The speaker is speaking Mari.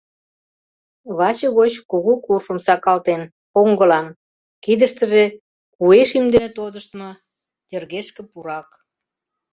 Ваче гоч кугу куршым сакалтен — поҥгылан, кидыштыже куэ шӱм дене тодыштмо йыргешке пурак.